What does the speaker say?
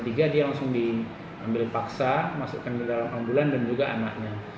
dia langsung diambil paksa masukkan ke dalam ambulan dan juga anaknya